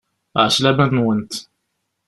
Ɛeslama-nwent!